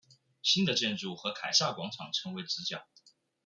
新的建筑和凯撒广场成为直角。